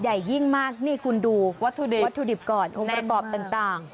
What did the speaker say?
ใหญ่ยิ่งมากนี่คุณดูวัตถุดิบก่อนประตอบต่าง